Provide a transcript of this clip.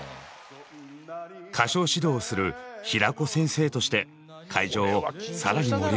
歌唱指導をする平子先生として会場を更に盛り上げました。